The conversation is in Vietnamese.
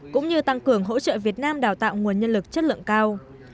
cũng như tăng cường hỗ trợ việt nam đào tạo nguồn nhân lực chất lượng cao